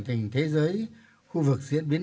tình hình thế giới khu vực diễn biến